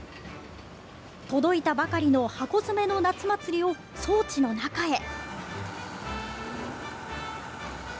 届いたばかりの箱詰めの夏祭りを装置の中へ。